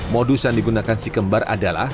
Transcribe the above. modus yang digunakan si kembar adalah